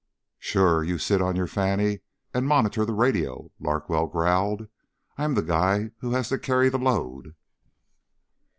"Sure, you sit on your fanny and monitor the radio," Larkwell growled. "I'm the guy who has to carry the load."